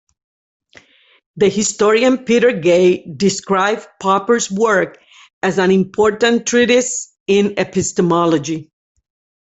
The historian Peter Gay described Popper's work as "an important treatise in epistemology".